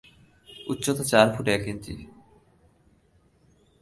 উচ্চতা চার ফুট এক ইঞ্চি।